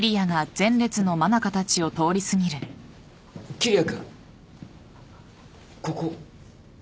桐矢君ここ。